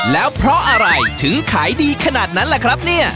แล้วเพราะอะไรถึงขายดีขนาดนั้นล่ะครับเนี่ย